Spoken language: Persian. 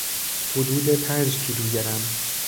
حدود پنج کیلوگرم